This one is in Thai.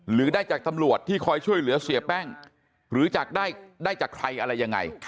หรือได้จากตำรวจที่คอยช่วยเหลือเสียแป้งหรือจากได้จากใครอะไรยังไง